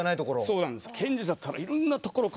そうなんです。